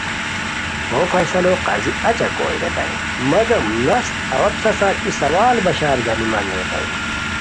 ہو فیصلو قاضی اچہ کوئے ریتائے، مگم نست اوا پِسہ سار ای سوال بشار گانیمان ریتائے